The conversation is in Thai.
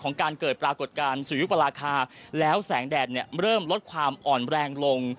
การเกิดปรากฏการณ์สุริยุปราคาแล้วแสงแดดเนี่ยเริ่มลดความอ่อนแรงลง